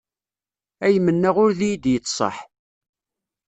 Ay mennaɣ ur d iyi-d-yettṣaḥ.